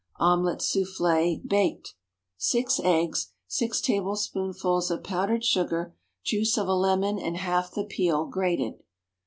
Omelette Soufflée—(Baked.) 6 eggs. 6 tablespoonfuls of powdered sugar. Juice of a lemon and half the peel, grated.